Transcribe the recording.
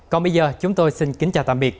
còn bây giờ chúng tôi xin kính chào tạm biệt